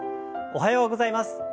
おはようございます。